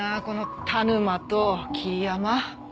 この田沼と桐山。